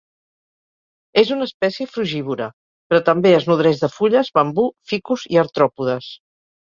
És una espècie frugívora, però també es nodreix de fulles, bambú, ficus i artròpodes.